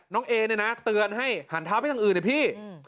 เอเนี่ยนะเตือนให้หันเท้าไปทางอื่นนะพี่